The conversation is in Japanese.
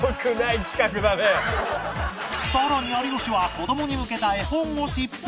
さらに有吉は子どもに向けた絵本を執筆